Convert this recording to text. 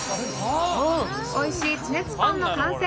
おいしい地熱パンの完成。